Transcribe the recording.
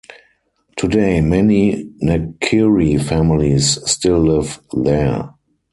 Today many Naciri families still live there.